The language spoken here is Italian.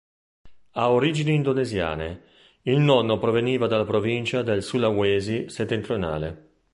Ha origini indonesiane: il nonno proveniva dalla provincia del Sulawesi Settentrionale.